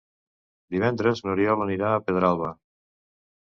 Divendres n'Oriol anirà a Pedralba.